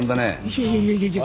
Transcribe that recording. いやいやいやいやいや。